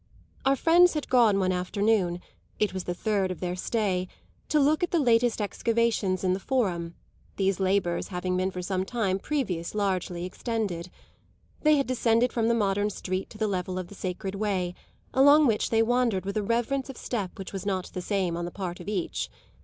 Our friends had gone one afternoon it was the third of their stay to look at the latest excavations in the Forum, these labours having been for some time previous largely extended. They had descended from the modern street to the level of the Sacred Way, along which they wandered with a reverence of step which was not the same on the part of each.